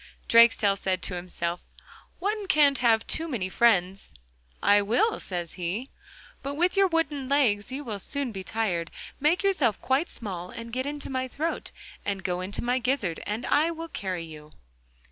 Drakestail said to himself: 'One can't have too many friends.' ... 'I will,' says he, 'but with your wooden legs you will soon be tired. Make yourself quite small, get into my throat—go into my gizzard and I will carry you.